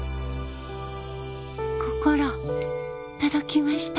心届きました